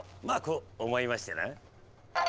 まあこう思いましてな。